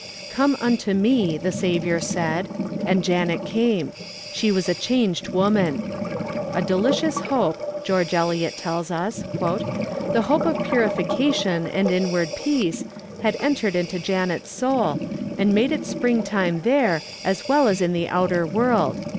_ 'Come unto Me!' the Saviour said. And Janet came! She was a changed woman! 'A delicious hope,' George Eliot tells us, '_the hope of purification and inward peace, had entered into Janet's soul, and made it spring time there as well as in the outer world!